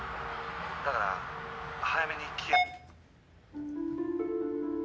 だから早めに機嫌」